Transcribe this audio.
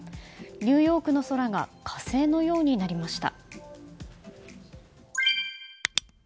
ニューヨークの空が火星のようになりました。